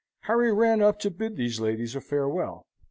Harry ran up to bid these ladies a farewell.